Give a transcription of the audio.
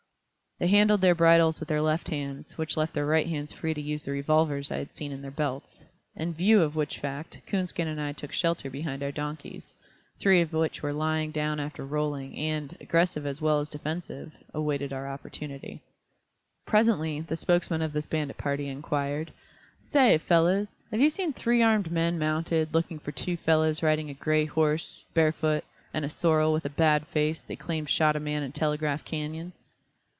They handled their bridles with their left hands, which left their right hands free to use the revolvers I had seen in their belts; in view of which fact, Coonskin and I took shelter behind our donkeys, three of which were lying down after rolling, and, aggressive as well as defensive, awaited our opportunity. [Illustration: "Through Devil's Gate, their panniers scraped the walls."] [Illustration: "Fired their revolvers in the air."] Presently the spokesman of this bandit party, inquired: "Say, fellows, have you seen three armed men mounted, looking for two fellows riding a grey horse, bare foot, and a sorrel with a bald face, they claimed shot a man in Telegraph Canyon?"